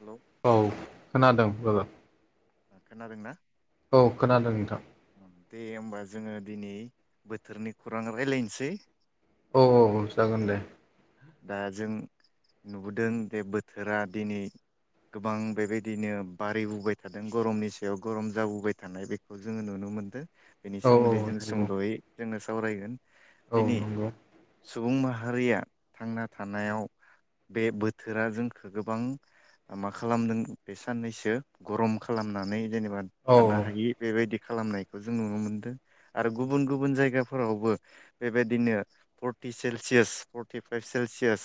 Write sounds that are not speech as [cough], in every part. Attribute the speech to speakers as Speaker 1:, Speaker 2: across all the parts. Speaker 1: Hello
Speaker 2: औ खोनादों
Speaker 1: ओ
Speaker 2: लोगो
Speaker 1: खोनादोंना?
Speaker 2: औ खोनादों नोंथां
Speaker 1: दे होमबा जोङो दिनै बोथोरनि खौरां रायलायनोसै
Speaker 2: औ औ औ जागोन
Speaker 1: ओं
Speaker 2: दे
Speaker 1: दा जों नुबोदों जे बोथोरा दिनै गोबां बेबायदिनो बारिबोबाय थादों गरमनि सायाव गरम जाबोबाय थानाय बेखौ जोङो नुनो मोनदों बेनि
Speaker 2: औ औ
Speaker 1: सोमोन्दै जों
Speaker 2: नंगौ
Speaker 1: सुंदयै जोंङो सावरायगोन
Speaker 2: औ
Speaker 1: दिनै
Speaker 2: नंगौ
Speaker 1: सुबुं माहारिया थांना थानायाव बे बोथोरा जोंखो गोबां मा खालामदों बे साननैसो गरम खालामनानै जेनेबा
Speaker 2: औ
Speaker 1: थानो हायि बेदि खालामनायखौ जों नुनो मोनदों आरो गुबुन गुबुन जायगा फोरावबो बेबायदिनो forty Celsius forty five Celsius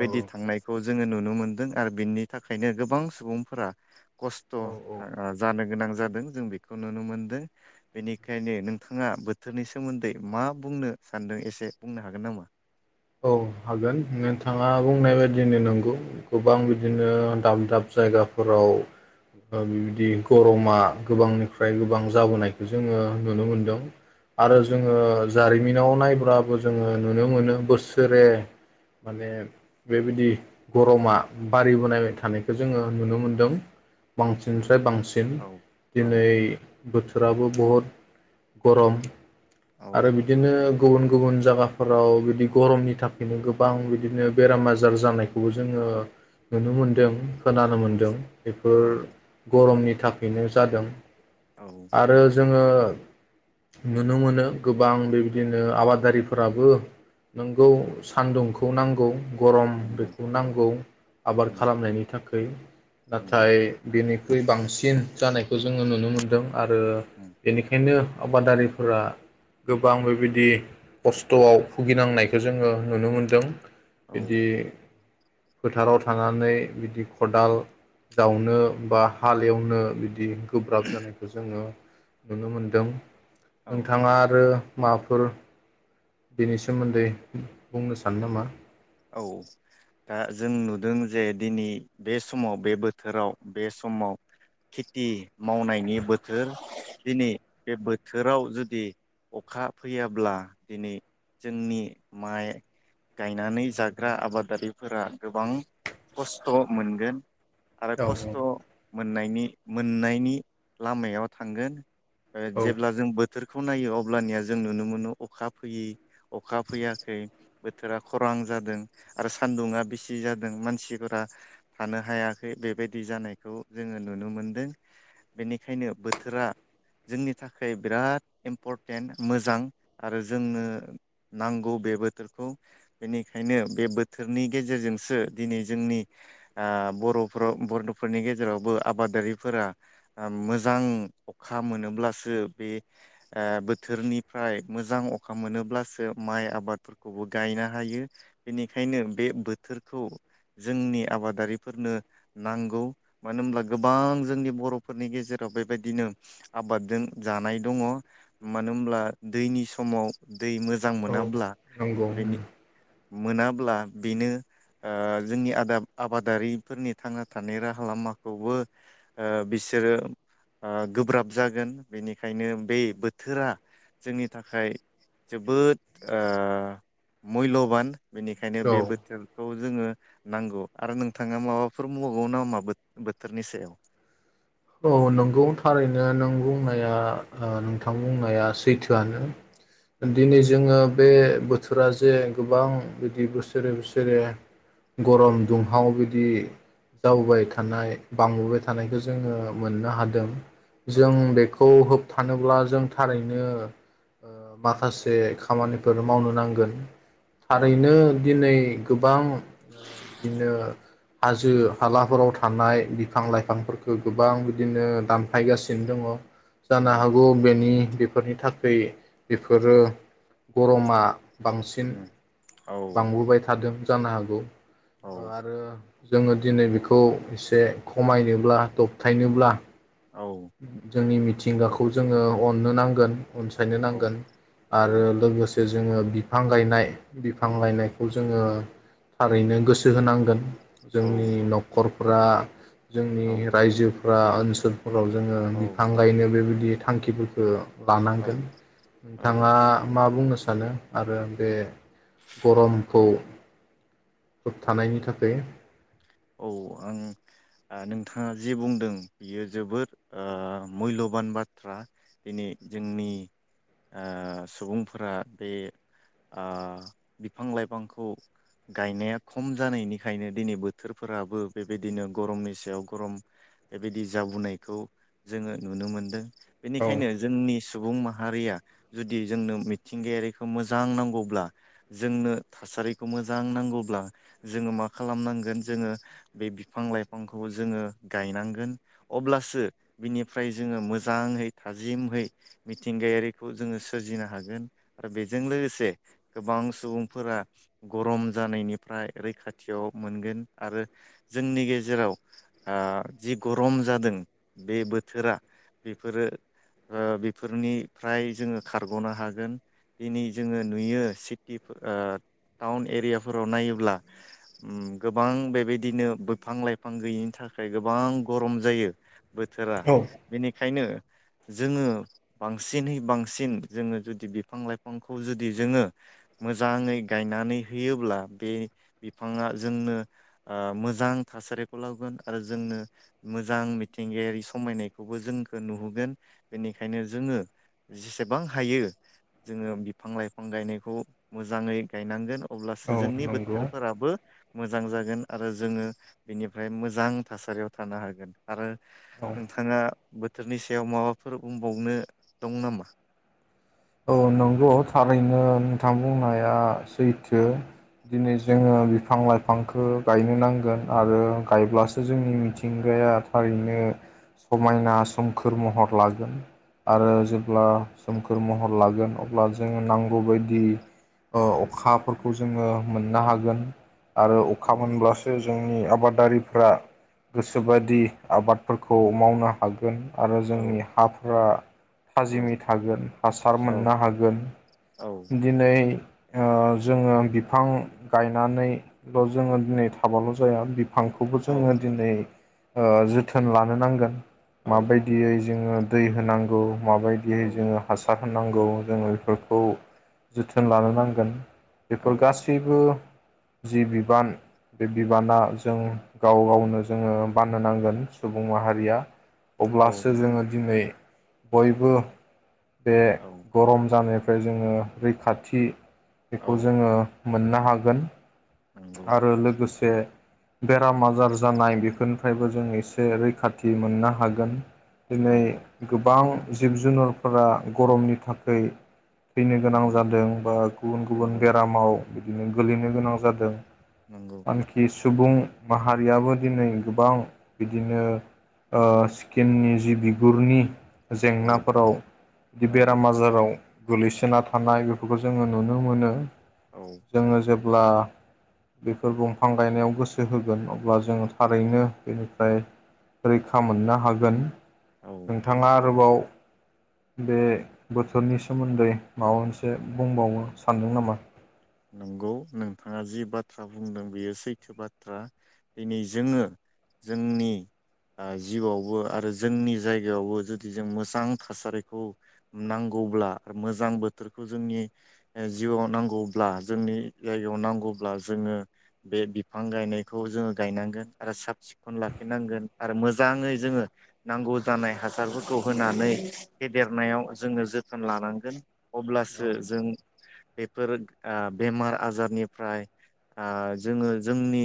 Speaker 2: औ
Speaker 1: थांनायखौ ज जोङो नुनो मोनदों आरो बिनि थाखायनो गोबां सुबुंफोरा खस्थ' ओ
Speaker 2: औ
Speaker 1: जानो गोनां जादों जों बे खौ नुनो मोनदों बेनिखायनो नोंथाङा बोथोरनि सोमोन्दै मा बुंनो सानदों एसे बुंनो हागोन नामा?
Speaker 2: औ हागोन नोंथाङा बुंनाय बायदिनो नंगौ गोबां बिदिनो दाब दाब जायगाफोराव ओ बिबदि गरमा गोबांनिफ्राय गोबां जाबोनायखौ जोङो नुनो मोनदों आरो जोङो जारिमिनाव नायब्लाबो जोङो नुनो मोनो बोस सोरे माने बेबिदि गरमा बारि बोनायबाय थानायखौ जोङो नुनो मोन्दों बांसिन स फ्राय बांसिन
Speaker 1: औ औ
Speaker 2: दिनै बोथोराबो बहुद गरम
Speaker 1: औ
Speaker 2: आरो बिदिनो गुबुन गुबुन जागाफोराव बिदि गरमनि थाखायनो गोबां बिदिनो बेराम आजार जानायखौबो जोङो नुनो मोनदों। खोनानो
Speaker 1: औ
Speaker 2: मोनदों बेफोर
Speaker 1: औ
Speaker 2: गरमनि थाखैनो जादों
Speaker 1: औ
Speaker 2: आरो जोंङो नुनो मोनो गोबां बेबिदिनो आबादारिफोराबो नोंगौ सान्दुंखौ नांगौ गरम
Speaker 1: नंगौ
Speaker 2: बेखौ
Speaker 1: औ
Speaker 2: नांगौ आबाद
Speaker 1: नंगौ
Speaker 2: खालामनायनि थाखाय
Speaker 1: नंगौ
Speaker 2: नाथाय बेनि ख्रुइ बांसिन जानायखौ जोंङो नुनो मोन्दों। आरो बेनिखायनो आबादारिफोरा गोबां बेबिदि खस्थ'आव गिनांनायखो जोंङो नुनो मोनदों।
Speaker 1: औ
Speaker 2: बिदि फोथाराव थानानै बिदि खदाल जावनो बा हाल एवनो बिदि गोब्राब जानायखौ जोंङो नुनो मोनदों।
Speaker 1: औ
Speaker 2: नोंथांङा आरो माफोर बेनि स सोमोन्दै बुंनो सानो नामा?
Speaker 1: औ दा जों नुदों जे दिनै बे समाव बे बोथोराव बे समाव खेति मावनायनि बोथोर दिनै बे बोथोराव जुदि अखा फैयाब्ला दिनै जोंनि माइ गायनानै जाग्रा आबादारिफोरा गोबां खस्थ' मोनगोन। आरो
Speaker 2: औ
Speaker 1: खस्थ' मोननायनि मोननायनि लामायाव थांगोन। ओ
Speaker 2: औ
Speaker 1: जेब्ला जों बोथोरखौ नायो अब ब्लानिया जों नुनो मोनो अखा फैयै अखा फैयाखै बोथोरा खरां जादों आरो सान्दुंआ बेसि जादों मानसिफोरा थानो हायाखै बेबायदि जानायखौ जोंङो नुनो मोनदों। बेनिखायनो बोथोरा जोंनि थाखाय बिराद इम्परटेन्ट मोजां आरो जोंनो नांगौ बे बोथोरखौ बेनि खायनो बे बोथोरनि गेजेरजोंसो दिनै जोंनि आ बर'फोराव-बर'फोरनि गेजेरावबो आबादारिफोरा ओ मोजां अखा मोनोब्लासो बे अ बोथोरनिफ्राय मोजां अखा मोनोब्लासो माइ आबादफोरखौबो गायनो हायो। बेनिखायनो बे बोथोरखौ जोंनि आबादारिफोरनो नांगौ मानो होनब्ला गोबां जोंनि बर'फोरनि गेजेराव बेबायदिनो आबादजों जानाय दंङ मानो होनोब्ला दैनि समाव दै मोजां
Speaker 2: औ
Speaker 1: मोनाब्ला
Speaker 2: नंगौ
Speaker 1: बेनि मोनाब्ला बेनो ओ जोंनि आदाब आबादारिफोरनि थांना थानाय राहा लामाखौबो ओ बिसोरो ओ गोब्राब जागोन बेनिखायनो बे बोथोरा जोंनि थाखाय जोबोद ओ मैल'बान बेनिखायनो
Speaker 2: औ
Speaker 1: बे बोथोरखौ जोंङो नांगौ आरो नोंथांङा माबाफोर बुंबावगौ नामा बो-बोथोरनि सायाव?
Speaker 2: औ नंगौ थारैनो नों बुंनाया ओ नोंथां बुंनाया सैथोआनो। दिनै जोंङो बे बोथोरा जे गोबां बिदि बोसोरे बोसोरे गरम दुंहाव बिदि जाबोबाय थानाय बांबोबाय थानायखौ जोंङो मोननो हादों।
Speaker 1: औ
Speaker 2: जों बेखौ होबथानोब्ला जों थारैनो ओ माखासे खामानिफोर मावनो नांगोन
Speaker 1: औ
Speaker 2: थारैनो दिनै गोबां बिदिनो हाजो हालाफोराव थानाय बिफां लाइफांफोरखौ गो बां बिदिनो दानफायगासिनो दंङ। जानो
Speaker 1: नंगौ
Speaker 2: हागौ बेनि बे फोरनि थाखै बेफोरो गरमा। बांसिन
Speaker 1: औ
Speaker 2: बांबोबाय थादों। जानो हागौ। अ
Speaker 1: औ
Speaker 2: आरो। जोङो दिनै बेखौ एसे खमायनोब्लाथ। थाइनोब्ला।
Speaker 1: औ
Speaker 2: जोंनि मि- थिंगाखौ जोङो अननो नांगोन। अनसायनो
Speaker 1: औ
Speaker 2: नांगोन
Speaker 1: औ
Speaker 2: आरो लोगोसे। जोङो बिफां गायनाय बिफां गायनायखौ जोङो थारैनो गोसो होनांगोन।
Speaker 1: औ
Speaker 2: जोंनि न'खर- फ्रा।
Speaker 1: औ
Speaker 2: जोंनि रायजो-। फ्रा ओनसोलफो- राव जोङो बिफां गायनो बेबायदि। थांखिफोरखौ।
Speaker 1: औ
Speaker 2: लानांगोन
Speaker 1: औ
Speaker 2: नोंथाङा
Speaker 1: आं
Speaker 2: मा बुंनो सानो आरो बे गरमखौ होबथानायनि थाखै
Speaker 1: औ आं नोंथाङा जे बुंदों बियो जोबोर ओह मुल्यबान बाथ्रा दिनै जोंनि ओह सुबुंफोरा बे ओह बिफां लाइफांखौ गायनाया खम जानायनिखायनो दिनै बोथ बोथोरफोराबो बेबायदिनो गरमनि सायाव गरम बेबायदि जाबोनायखौ जोङो नुनो मोन्दों। बेनिखायनो
Speaker 2: औ
Speaker 1: जोंनि सुबुं मा हारिया जुदि जोंनो मिथिंगायारिखौ मोजां नांगौब्ला जोंनो थासारिखौ मोजां नांगौब्ला जोङो मा खालामनांगोन। जोङो बे बिफां लाइफांखौ जोङो गायनांगोन अब्लासो बिनिफ्राय जोङो मोजाङै थाजिमहै मिथिंगायारिखौ जोङो सोरजिनो हागोन आरो बेजों लोगोसे गोबां सुबुंफोरा गरम जानायनिफ्राय रैखाथियाव मोनगोन। आरो जोंनि गेजेराव ओह जि गरम जादों बे बोथोरा बेफोरो बेफोरनिफ्राय जोङो खारगनो हागोन दिनै जोङो नुयो सिटि फोराव टाउन एरियाफोराव नायोब्ला गोब गोबां बेबायदिनो बोफां लाइफां गैयिनि थाखाय गोबां गरम जायो। बोथोरा
Speaker 2: औ
Speaker 1: बेनिखायनो। जोङो बांसिनै बांसिन जोङो जुदि बिफां लाइफांखौ जुदि जोङो मोजाङै गायनानै होयोब्ला बे बिफाङा जोंनो। ओह मोजां थासारिखौ लाबगोन आरो जोंनो मोजां मिथिंगायारि समायनायखौबो जोंखौ नुहोगोन बेनिखायनो जोङो जेसेबां हायो जोङो बिफां लाइफां गायनायखौ मोजाङै गायनांगोन। अब्लासो
Speaker 2: औ
Speaker 1: जोंनि
Speaker 2: नंगौ
Speaker 1: बोथोरफोराबो। मोजां जागोन आरो जोङो बिनिफ्राय मोजां थासारियाव थानो हागोन आरो।
Speaker 2: औ
Speaker 1: नोंथाङा। बोथोरनि सायाव माबाफोर बुंबावनो दं नामा?
Speaker 2: औ नंगौ थारैनो नोंथां बुंनाया सैथो दिनै जोङो बिफां लाइफांखौ गायनो नांगोन आरो गायब्लासो जोंनि मिथिंगाया थारैनो समायना सोमखोर महर लागोन। आरो जेब्ला। सोमखोर महर। लागोन अब्ला जोङो नांगौ बायदिओह अखाफोरखौ जोङो मोननो हागोन। आरो
Speaker 1: औ
Speaker 2: अखा मोनब्लासो जोंनि आबादारि फोरा गोसोबायदि आबादफोरखौ मावनो हागोन। आरो
Speaker 1: औ
Speaker 2: जोंनि हाफोरा
Speaker 1: औ
Speaker 2: थाजिमै थागोन हास सार
Speaker 1: औ
Speaker 2: मोननो हागोन।
Speaker 1: औ
Speaker 2: दिनै ओह जोङो बिफां गायनानैल जोङो दिनै थाबाल जाया बिब फांखौबो
Speaker 1: औ
Speaker 2: जोङो दिनै। ओह जोथोन लानो नांगोन।
Speaker 1: औ
Speaker 2: माबायदियै जोङो दै होनांगौ।
Speaker 1: औ
Speaker 2: माबायदियै जोङो हासार होनांगौ जोङो बेफोरखौ जोथोन लानो नांगोन। बेफोर गासैबो। जि बिबान बे बिबाना जों गाव गावनो जोङो बाननो नांगोन सुबुं माहारिया। अब्लासो
Speaker 1: औ
Speaker 2: जोङो दिनै। बयबो बे
Speaker 1: औ
Speaker 2: गरम जानाय [unintelligible] रैखाथि बेखौ
Speaker 1: औ
Speaker 2: जोङो मोननो हागोन
Speaker 1: नंगौ
Speaker 2: आरो लोगोसे बेराम आजार जानाय बेफोरनिफ्रायबो जों एसे रैखाथि मोननो हागोन। दिनै
Speaker 1: औ
Speaker 2: गो बां जिब जुनारफोरा गरमनि थाखै [unintelligible] बा
Speaker 1: नंगौ
Speaker 2: गुबुन गुबुन
Speaker 1: नंगौ
Speaker 2: बेरामाव बिदिनो गोलैनो गोनां जादों।
Speaker 1: नंगौ
Speaker 2: आंखिस सुबुं माहारियाबो दिनै गोबां बिदिनो ओ सिक्किमनि जि बिगुरनि
Speaker 1: औ
Speaker 2: जेंनाफोराव बि
Speaker 1: औ
Speaker 2: बेराम आजाराव गोलैसोना थानाय बेफोरखौ जोङो नुनो मोनो।
Speaker 1: औ
Speaker 2: जोङो जेब ब्ला बेफोर दंफां गायनायाव गोसो होगोन अब्ला जोङो थारैनो बेनिफ्राय रैखा मोननो हागोन।
Speaker 1: औ
Speaker 2: नोंथाङा आरोबाव बे बोथोरनि सोमोन्दै माबा मोनसे बुंबावनो सानदों नामा?
Speaker 1: नंगौ नोंथाङा जि बाथ्रा बुंदों बेयो सैथो बाथ्रा दिनै जोङो जोंनि ओ जिउआवबो आरो जोंनि जायगायावबो जुदि जों मोजां थासारिखौ नांगौब्ला आर मोजां बोथोरखौ जोंनि ओ जिउआव नांगौ ब्ला जोंनि जायगायाव नांगौब्ला जोङो बे बिफां गायनायखौ जोङो गायनांगोन आरो साब सिखन लाखिनांगोन आरो मोजाङै जोङो नांगौ जानाय हासारफोरखौ होनानै फेदेरनायाव जोङो जोथोन लानांगोन अब्लासो
Speaker 2: औ
Speaker 1: जों बेफोर ओ बेमार आजारनिफ्राय ओ जोङो जोंनि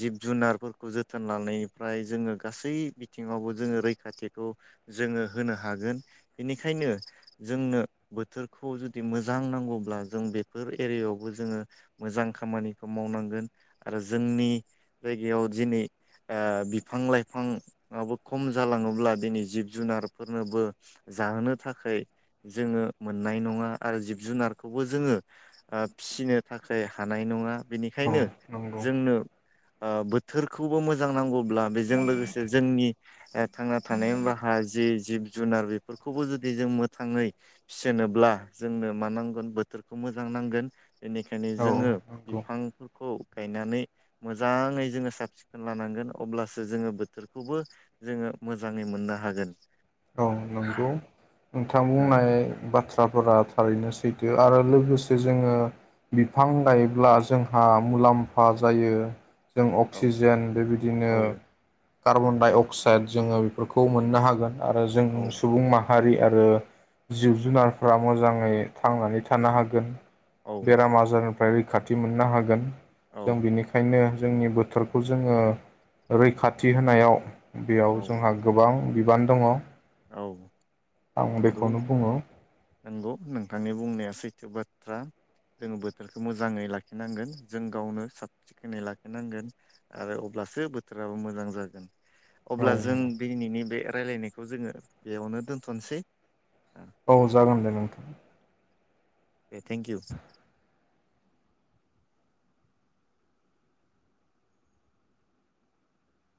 Speaker 1: जिब जुनारफोरखौ जोथोन लानायनिफ्राय जोङो गासै बिथिङावबो जोङो रैखाथिखौ जोङो होनो हागोन। बेनिखायनो जोंनो बोथोरखौ जुदि मोजां नांगौब्ला जों बे फोर एरियायावबो जोङो मोजां खामानिखौ मावनांगोन आरो जोंनि जायगायाव दिनै ओ बिफां लाइफांआबो खम जालाङोब्ला दिनै जिब जुनारफोरनोबो जाहोनो थाखाय जोङो मोननाय नङा आरो जिब जुनारखौबो जोङो ओ फिनो थाखाय हानाय नङा।
Speaker 2: औ
Speaker 1: बेनिखायनो
Speaker 2: नंगौ
Speaker 1: जोंनो ओ बोथोरखौबो मोजां नांगौब्ला बेजों लोगोसे जोंनि ओ थांना थानायनि राहा जि जिब जुनार बेफोरखौबो जुदि जों मोथाङै फिसिनोब्ला जोंनो मा नांगोन बोथोर खौ मोजां नांगोन। बेनिखायनो
Speaker 2: औ
Speaker 1: जोङो
Speaker 2: नंगौ
Speaker 1: बिफां फोरखौ गायनानै मोजाङै जोङो साब सिखोन लानांगोन अब्लासो जोङो बोथोरखौबो जोङो मोजाङै मोननो हागोन।
Speaker 2: औ नंगौ नोंथां
Speaker 1: औ
Speaker 2: बुंनाय बा थ्राफोरा थारैनो सैथो आरो लोगोसे जोङो बिफां गायब्ला जोंहा मुलाम्फा जायो। जों
Speaker 1: औ
Speaker 2: अक्सिजेन बेबायदिनो
Speaker 1: औ
Speaker 2: कार्बन डाइ अक्साइड जोङो बेफोरखौ मोननो हागोन आरो जों सुबुं मा हारि आरो जिब जुनारफ्रा मोजाङै थांनानै थानो हागोन।
Speaker 1: औ
Speaker 2: बेराम आजारनि फ्राय रैखाथि मोननो हागोन। जों
Speaker 1: औ
Speaker 2: बिनिखायनो जोंनि बोथोरखौ जोङो रैखाथि होनायाव बेयाव
Speaker 1: औ
Speaker 2: जोंहा गोबां बिबान दङ
Speaker 1: औ
Speaker 2: आं
Speaker 1: नंगौ
Speaker 2: बेखौनो बुङो
Speaker 1: नंगौ नोंथांनि बुंनाया सै थो बाथ्रा। जोङो बोथोरखौ मोजाङै लाखिनांगोन जों गावनो साब सिखोनै लाखिनांगोन आरो अब्लासो बोथोराबो मोजां जागोन।
Speaker 2: औ
Speaker 1: अब्ला जों दिनैनि बे रालायनाय खौ जोङो बेयावनो दोनथ'नसै।
Speaker 2: औ जागोन दे नोंथां।
Speaker 1: दे थेंकिइउ।